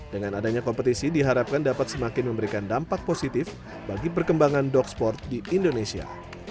dengan adanya kompetisi diharapkan dapat semakin memberikan dampak positif bagi perkembangan dog sport di indonesia